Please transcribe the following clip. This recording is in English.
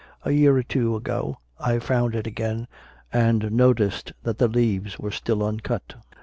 A year or two ago I found it again, and noticed that the leaves were still uncut.